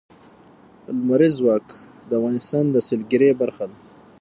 لمریز ځواک د افغانستان د سیلګرۍ برخه ده.